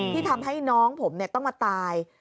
ที่ทำให้น้องผมต้องมาตาย